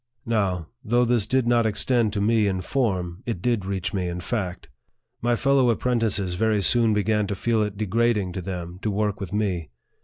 Now, though this did not extend to me in form, it did reach me in fact. My fellow apprentices very soon began to feel it degrading to them to work with me.